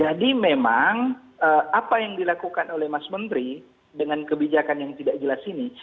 jadi memang apa yang dilakukan oleh mas menteri dengan kebijakan yang tidak jelas ini